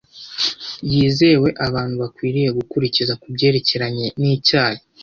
yizewe abantu bakwiriye gukurikiza ku byerekeranye n’icyayi,